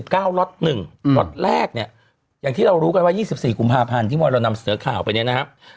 ล็อตแรกเนี่ยอย่างที่เรารู้กันว่า๒๔กุมภาพันธ์ที่พอเรานำเสนอข่าวไปเนี่ยนะครับ